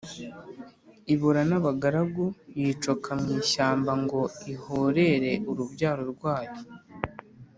ibura n'abagaragu, yicoka mu ishyamba ngo ihorere urubyaro rwayo,